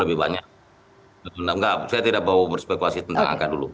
lebih banyak saya tidak bawa berspekulasi tentang angka dulu